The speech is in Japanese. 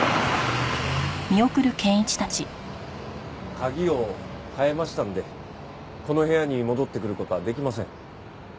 鍵を換えましたのでこの部屋に戻ってくる事はできません。